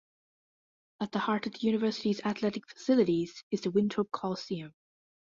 At the heart of the University's athletic facilities is the Winthrop Coliseum.